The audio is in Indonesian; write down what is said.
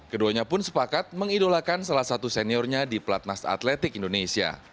keduanya pun sepakat mengidolakan salah satu seniornya di platnas atletik indonesia